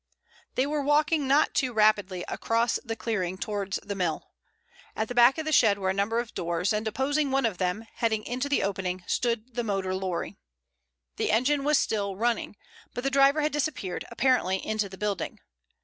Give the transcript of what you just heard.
They were walking not too rapidly across the clearing towards the mill. At the back of the shed were a number of doors, and opposite one of them, heading into the opening, stood the motor lorry. The engine was still running, but the driver had disappeared, apparently into the building.